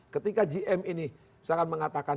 ketika gm ini sangat mengatakan